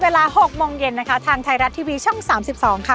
เวลา๖โมงเย็นนะคะทางไทยรัฐทีวีช่อง๓๒ค่ะ